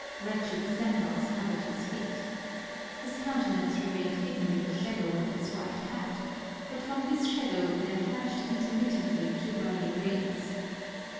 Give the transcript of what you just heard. Wretched sandals covered his feet. His countenance remained hidden in the shadow of his wide hat, but from this shadow there flashed intermittently two burning rays.